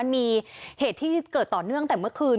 มีเหตุที่เกิดต่อเนื่องแต่เมื่อคืน